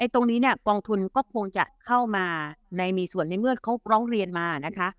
ตรงนี้กองทุนก็คงจะเข้ามาในมีส่วนในเมื่อเขาร้องเรียนมานะคะ